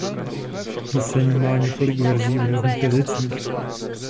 Píseň má několik verzí v různých jazycích.